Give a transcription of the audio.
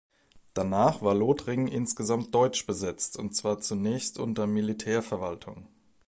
Danach war Lothringen insgesamt deutsch besetzt, und zwar zunächst unter Militärverwaltung.